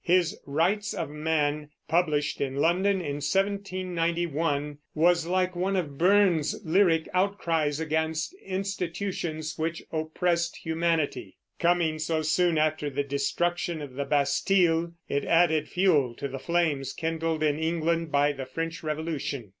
His Rights of Man published in London in 1791, was like one of Burns's lyric outcries against institutions which oppressed humanity. Coming so soon after the destruction of the Bastille, it added fuel to the flames kindled in England by the French Revolution.